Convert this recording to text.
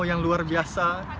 yang luar biasa dan menarik